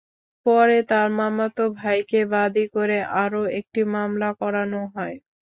পরে তাঁর মামাতো ভাইকে বাদী করে আরও একটি মামলা করানো হয়।